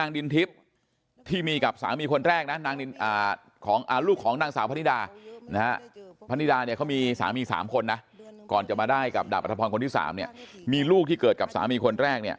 อ่ะพรธพรอนที่สามเนี่ยมีลูกที่เกิดกับสามีคนแรกเนี้ย